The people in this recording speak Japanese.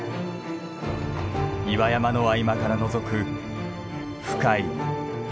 岩山の合間からのぞく深い闇。